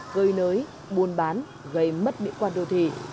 gây nới buôn bán gây mất mỹ quan đô thị